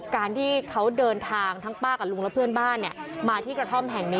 การที่เขาเดินทางทั้งป้ากับลุงและเพื่อนบ้านมาที่กระท่อมแห่งนี้